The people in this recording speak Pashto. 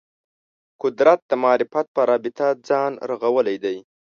قدرت د معرفت په رابطه ځان رغولی دی